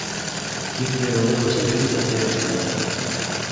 Quin bé de Déu de cireres que té aquest arbre!